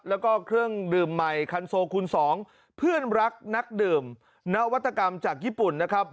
แล้วก็เครื่องดื่มใหม่คันโซคูณ๒เพื่อนรักนักดื่มนวัตกรรมจากญี่ปุ่นนะครับ